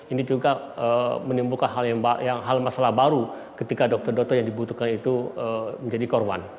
ini juga menimbulkan hal masalah baru ketika dokter dokter yang dibutuhkan itu menjadi korban